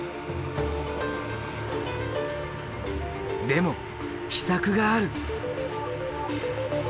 でも秘策がある！